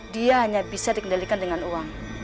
dia hanya bisa dikendalikan dengan uang